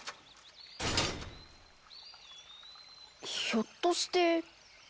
ひょっとして。